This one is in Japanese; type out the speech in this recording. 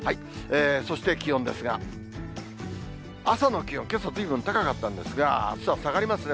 そして気温ですが、朝の気温、けさ、ずいぶん高かったんですが、あすは下がりますね。